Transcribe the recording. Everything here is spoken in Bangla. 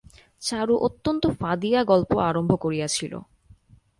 চারু অত্যন্ত ফাঁদিয়া গল্প আরম্ভ করিয়াছিল।